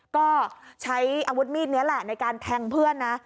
ก็ใช้อาวุธมีดนี้แหละในการแทงเพื่อนนะ